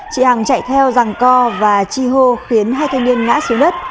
chị hằng chạy theo rằng co và chi hô khiến hai thanh niên ngã xuống đất